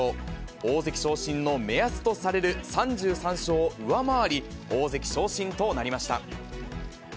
大関昇進の目安とされる３３勝を上回り、大関昇進となりました。